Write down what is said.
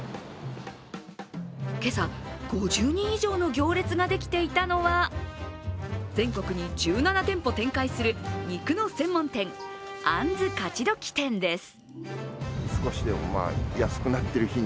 今朝、５０人以上の行列ができていたのは全国に１７店舗展開する肉の専門店、あんず勝どき店です。